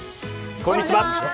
こんにちは。